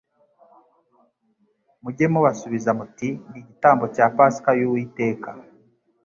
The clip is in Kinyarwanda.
Mujye mubasubiza muti : ni igitambo cya Pasika y'Uwiteka,